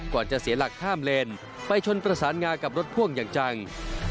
จะเสียหลักข้ามเลนไปชนประสานงากับรถพ่วงอย่างจัง